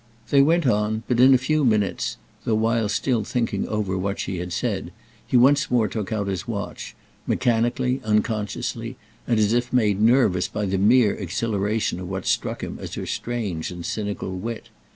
They went on, but in a few minutes, though while still thinking over what she had said, he once more took out his watch; mechanically, unconsciously and as if made nervous by the mere exhilaration of what struck him as her strange and cynical wit.